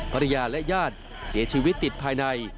ภรรยาและญาติเสียชีวิตติดภายใน